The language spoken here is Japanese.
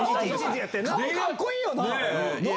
顔かっこいいよな。